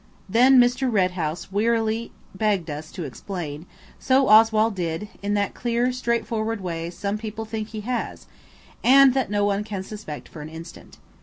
Then Mr. Red House wearily begged us to explain, so Oswald did, in that clear, straightforward way some people think he has, and that no one can suspect for an instant.